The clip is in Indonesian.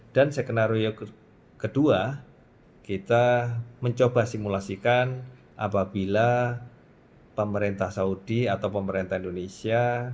dan skenario kedua kita mencoba simulasikan apabila pemerintah saudi atau pemerintah indonesia